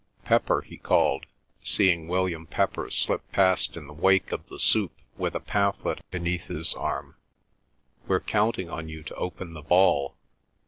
"Pepper!" he called, seeing William Pepper slip past in the wake of the soup with a pamphlet beneath his arm, "We're counting on you to open the ball."